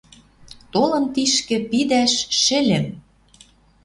Толын тишкӹ пидӓш шӹльӹм.